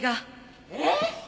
えっ！？